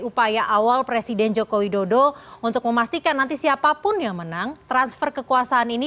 upaya awal presiden joko widodo untuk memastikan nanti siapapun yang menang transfer kekuasaan ini